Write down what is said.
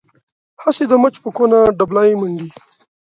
هسې د مچ په کونه ډبلی منډي.